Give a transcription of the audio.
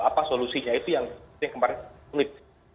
apa solusinya itu yang kemarin sulit